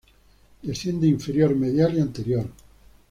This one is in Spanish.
Desciende inferior, medial y anterior.